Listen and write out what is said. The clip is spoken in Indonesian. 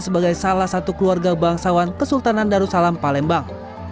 sebagai salah satu keluarga bangsawan kesultanan darussalam palembang